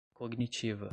cognitiva